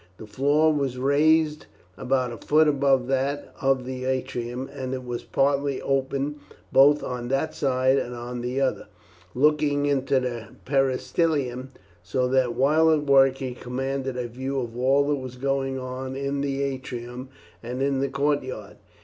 The floor was raised about a foot above that of the atrium, and it was partly open both on that side and on the other, looking into the peristylium, so that, while at work, he commanded a view of all that was going on in the atrium and in the courtyard.